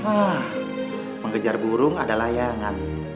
hah mengejar burung ada layangan